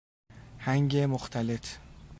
هنگ مختلط